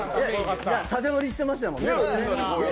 縦ノリしてましたもんね。